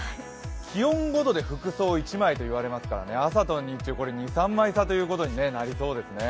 気温５度で服装１枚と言われますから朝と日中、２３枚差ということになりそうですね。